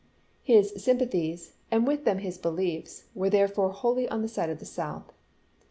His sym pathies, and with them his. beliefs, were therefore wholly on the side of the South.